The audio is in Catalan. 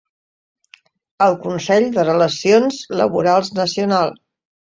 Al Consell de Relacions Laborals Nacional.